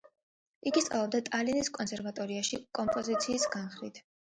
იგი სწავლობდა ტალინის კონსერვატორიაში კომპოზიციის განხრით.